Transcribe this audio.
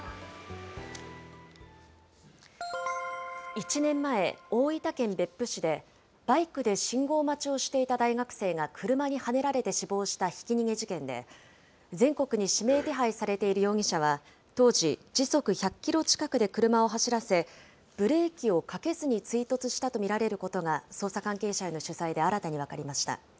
１年前、大分県別府市でバイクで信号待ちをしていた大学生が、車にはねられて死亡したひき逃げ事件で、全国に指名手配されている容疑者は当時、時速１００キロ近くで車を走らせ、ブレーキをかけずに追突したと見られることが捜査関係者への取材で新たに分かりました。